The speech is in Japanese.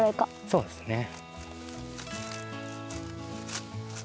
そうですね。